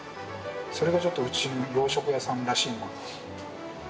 それがちょっとうち洋食屋さんらしいなと。